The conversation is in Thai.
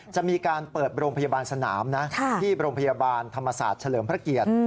จะมีการเปิดโรงพยาบาลสนามนะที่โรงพยาบาลธรรมศาสตร์เฉลิมพระเกียรติ